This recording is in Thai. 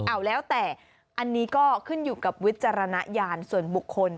เอาแล้วแต่อันนี้ก็ขึ้นอยู่กับวิจารณญาณส่วนบุคคล